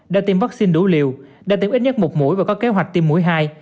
đã tiêm vaccine đủ liều đã tiêm ít nhất một mũi và có kế hoạch tiêm mũi hai